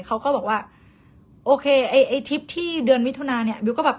เขาก็บอกว่าโอเคไอ้ไอ้ทริปที่เดือนมิถุนาเนี่ยบิวก็แบบ